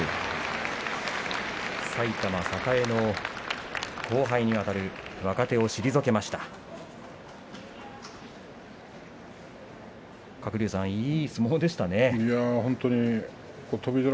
埼玉栄の後輩にあたる若手を退けました翔猿。